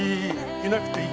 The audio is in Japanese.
いなくていい。